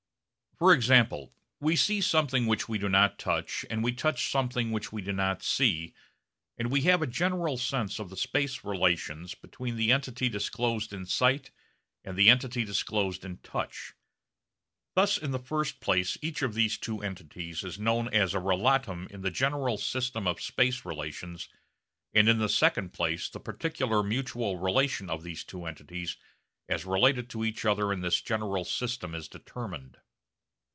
For example we see something which we do not touch and we touch something which we do not see, and we have a general sense of the space relations between the entity disclosed in sight and the entity disclosed in touch. Thus in the first place each of these two entities is known as a relatum in a general system of space relations and in the second place the particular mutual relation of these two entities as related to each other in this general system is determined.